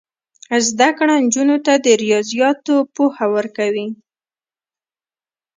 زده کړه نجونو ته د ریاضیاتو پوهه ورکوي.